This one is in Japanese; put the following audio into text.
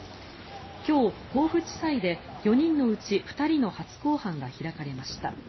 今日、甲府地裁で４人のうち２人の初公判が開かれました。